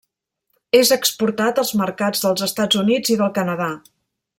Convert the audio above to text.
És exportat als mercats dels Estats Units i del Canadà.